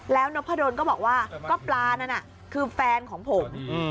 แล้วนกพะดนก็บอกว่าก็ปลานั่นน่ะคือแฟนของผม